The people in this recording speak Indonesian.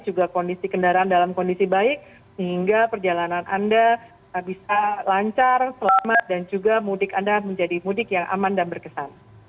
juga kondisi kendaraan dalam kondisi baik sehingga perjalanan anda bisa lancar selamat dan juga mudik anda menjadi mudik yang aman dan berkesan